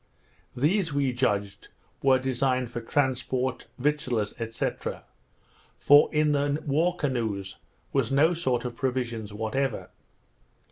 These, we judged, were designed for transports, victuallers, &c. for in the war canoes was no sort of provisions whatever.